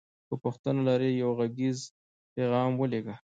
که پوښتنه لری یو غږیز پیغام ولیږه